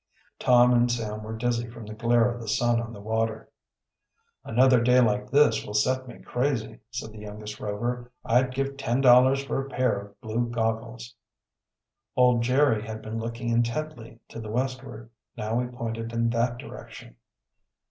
Tom and Sam were dizzy from the glare of the sun on the water. "Another day like this will set me crazy," said the youngest Rover. "I'd give ten dollars for a pair of blue goggles." Old Jerry had been looking intently to the westward. Now he pointed in that direction.